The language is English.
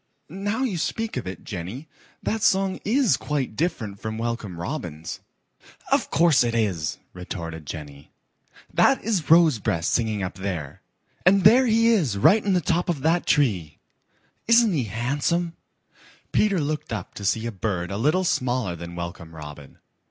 Now you speak of it, Jenny, that song IS quite different from Welcome Robin's." "Of course it is," retorted Jenny. "That is Rosebreast singing up there, and there he is right in the top of that tree. Isn't he handsome?" Peter looked up to see a bird a little smaller than Welcome Robin.